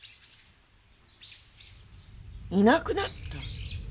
いなくなった？